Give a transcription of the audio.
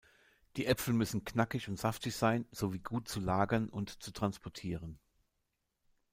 Die Äpfel müssen knackig und saftig sein sowie gut zu lagern und zu transportieren.